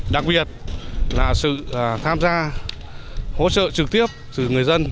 đặc biệt là sự tham gia hỗ trợ trực tiếp từ người dân